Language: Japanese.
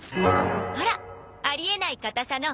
ほら「ありえない硬さの！！